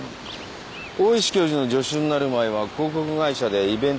大石教授の助手になる前は広告会社でイベント仕切ってたんだって。